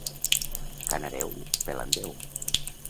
Canareu? Pela'n deu!